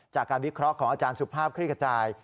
จากการวิเคราะห์ของอาจารย์สุภาพคลี่ขจาย